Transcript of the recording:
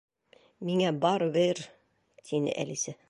—Миңә барыбер... —тине Әлисә.